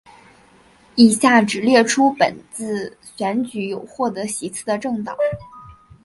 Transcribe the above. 以下只列出本次选举有获得席次的政党